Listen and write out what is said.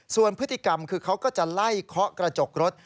ส่วนพฤติกรรมคือเขาก็จะไล่เคาะกระจกรถ